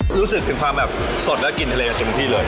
รู้สึกถึงความสดและกลิ่นทะเลจน์ที่เลย